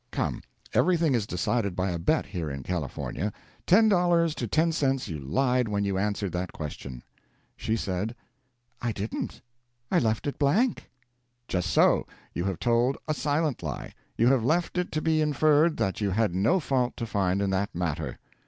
Come everything is decided by a bet here in California: ten dollars to ten cents you lied when you answered that question." She said, "I didn't; I left it blank!" "Just so you have told a silent lie; you have left it to be inferred that you had no fault to find in that matter."